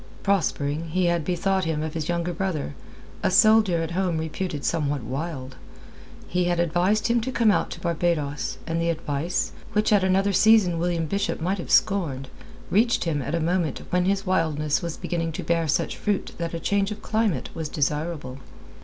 Prospering, he had bethought him of his younger brother, a soldier at home reputed somewhat wild. He had advised him to come out to Barbados; and the advice, which at another season William Bishop might have scorned, reached him at a moment when his wildness was beginning to bear such fruit that a change of climate was desirable.